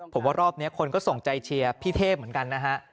ผมว่ารอบนี้คนก็ส่งใจเชียร์พี่เทพเหมือนกันนะฮะ